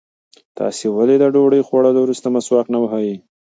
تاسې ولې د ډوډۍ خوړلو وروسته مسواک نه وهئ؟